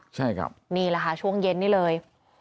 ใช่ครับนี่แหละค่ะช่วงเย็นนี่เลย